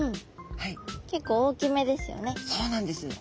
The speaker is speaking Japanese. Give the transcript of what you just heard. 結構大きめですよね。